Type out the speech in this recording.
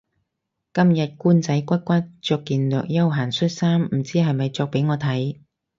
今日官仔骨骨着件略休閒恤衫唔知係咪着畀我睇